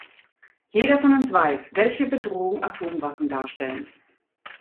Jeder von uns weiß, welche Bedrohung Atomwaffen darstellen.